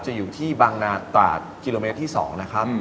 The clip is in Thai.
อยู่ที่บางนาตราดกิโลเมตรที่๒นะครับ